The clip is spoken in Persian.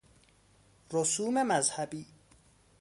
رسوم مذهبی